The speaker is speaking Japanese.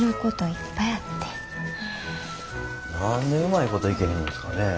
何でうまいこといけへんのですかね？